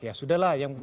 ya sudah lah yang